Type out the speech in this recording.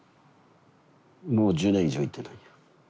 もう１０年以上行ってないよ。